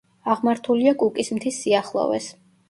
აღმართულია კუკის მთის სიახლოვეს.